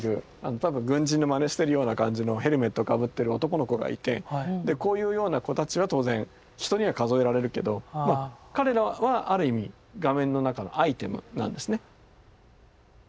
多分軍人のまねしてるような感じのヘルメットかぶってる男の子がいてこういうような子たちは当然人には数えられるけど彼らはある意味画面の中のアイテムなんですね。